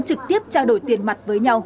trực tiếp trao đổi tiền mặt